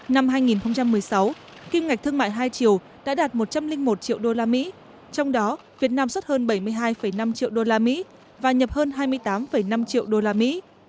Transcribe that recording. năm hai nghìn một mươi sáu kim ngạch thương mại hai triệu đã đạt một trăm linh một triệu đô la mỹ trong đó việt nam xuất hơn bảy mươi hai năm triệu đô la mỹ và nhập hơn hai mươi tám năm triệu đô la mỹ